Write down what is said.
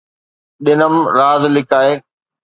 ڏٺم راز لڪائي